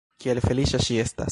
Kiel feliĉa ŝi estas!